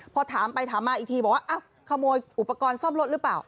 พอถามไปถามมาอีกทีบอกว่าอ้าวขโมยอุปกรณ์ซ่อมรถหรือเปล่า